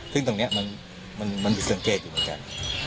ซึ่งตรงนี้มันผิดสังเกตอยู่เหมือนกัน